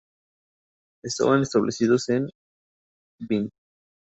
Estaban establecidos en Dvin.